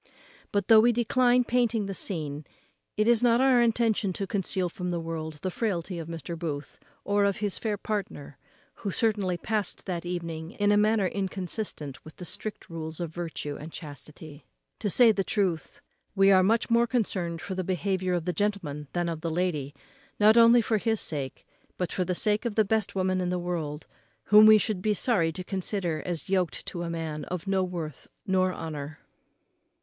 But, though we decline painting the scene, it is not our intention to conceal from the world the frailty of Mr. Booth, or of his fair partner, who certainly past that evening in a manner inconsistent with the strict rules of virtue and chastity. To say the truth, we are much more concerned for the behaviour of the gentleman than of the lady, not only for his sake, but for the sake of the best woman in the world, whom we should be sorry to consider as yoked to a man of no worth nor honour.